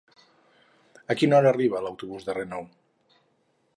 A quina hora arriba l'autobús de Renau?